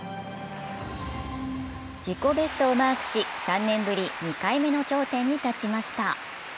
自己ベストをマークし、３年ぶり２回目の頂点に立ちました。